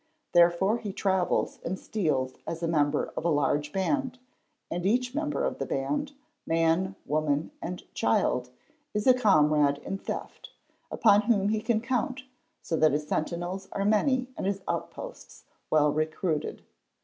The re fore he travels and steals as a member of a large band and each membe of the band, man, woman, and child, is a comrade in theft, upon whor METHODS OF STEALING 363 he can count, so that his sentinels are many and his outposts well recruited.